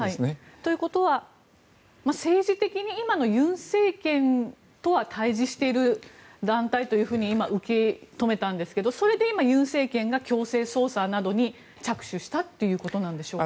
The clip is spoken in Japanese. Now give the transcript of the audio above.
ということは政治的に今の尹政権とは対峙している団体と今、受け止めたんですがそれで今、尹政権が強制捜査などに着手したということなんでしょうか。